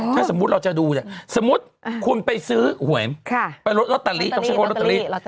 ถ้าสมมุติเราจะดูเนี่ยสมมุติคุณไปซื้อหัวไอ้ไปโรตารีต้องใช้คำว่าโรตารี